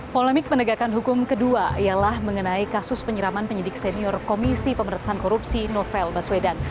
polemik penegakan hukum kedua ialah mengenai kasus penyiraman penyidik senior komisi pemerintahan korupsi novel baswedan